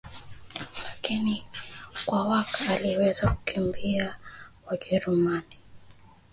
lakini Mkwawa aliweza kukimbia Wajerumani waliahidi zawadi ya pembe za ndovu yenye thamani ya